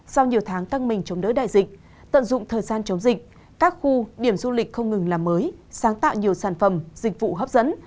sau nhiều tháng căng mình chống đỡ đại dịch tận dụng thời gian chống dịch các khu điểm du lịch không ngừng làm mới sáng tạo nhiều sản phẩm dịch vụ hấp dẫn